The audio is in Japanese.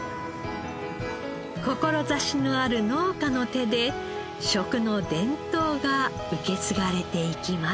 志のある農家の手で食の伝統が受け継がれていきます。